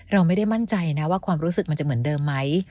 เราไม่ได้มั่นใจนะว่าความรู้สึกมันจะเหมือนเดิมไหม